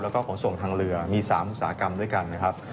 แล้วก็ขนส่งทางเรือมี๓อุตสาหกรรมด้วยกันนะครับ